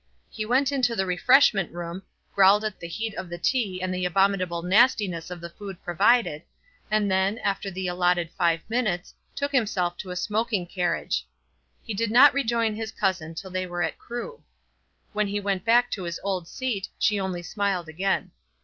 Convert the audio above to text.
He went into the refreshment room, growled at the heat of the tea and the abominable nastiness of the food provided, and then, after the allotted five minutes, took himself to a smoking carriage. He did not rejoin his cousin till they were at Crewe. When he went back to his old seat, she only smiled again.